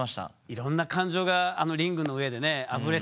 いろんな感情があのリングの上でねあふれたでしょうね。